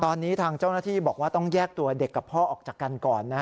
ตอนนี้ทางเจ้าหน้าที่บอกว่าต้องแยกตัวเด็กกับพ่อออกจากกันก่อน